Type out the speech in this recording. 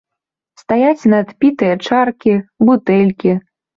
Стаяць надпітыя чаркі, бутэлькі.